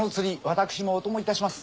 私もお供いたします。